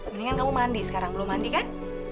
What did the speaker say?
mendingan kamu mandi sekarang belum mandi kan